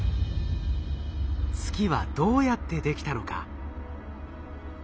月はどうやってできたのか？